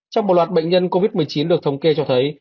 trong một loạt bệnh nhân covid một mươi chín được thống kê cho thấy